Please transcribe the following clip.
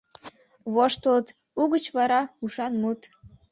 Воштылыт, угыч вара — ушан мут...